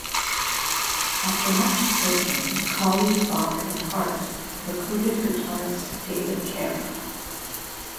After much searching, Cawley, Bach and Hart recruited guitarist David Caro.